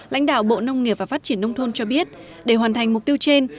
lãnh đạo bộ nông nghiệp và phát triển nông thôn cho biết để hoàn thành mục tiêu trên